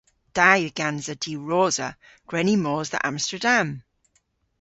Da yw gansa diwrosa. Gwren ni mos dhe Amsterdam!